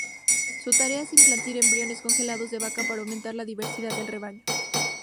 Su tarea es implantar embriones congelados de vaca para aumentar la diversidad del rebaño.